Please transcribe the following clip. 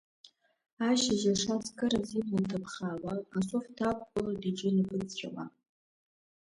Ашьыжь ашацкыраз ибла ҭыԥхаауа, асоф даақәгылоит иҿы-инапы ӡәӡәауа.